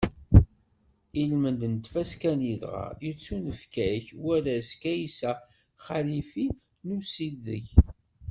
I lmend n tfaska-nni dɣa, yettunefk-ak warraz Kaysa Xalifi n usideg.